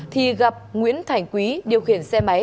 thì gặp nguyễn thành quý điều khiển xe máy